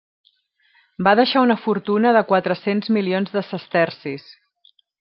Va deixar una fortuna de quatre-cents milions de sestercis.